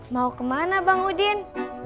mau kemana bang udin